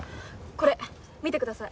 これ見てください。